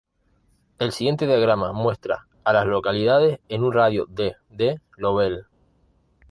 El siguiente diagrama muestra a las localidades en un radio de de Lovell.